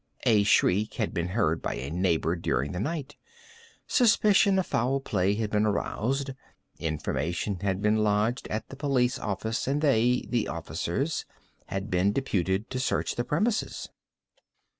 A shriek had been heard by a neighbour during the night; suspicion of foul play had been aroused; information had been lodged at the police office, and they (the officers) had been deputed to search the premises.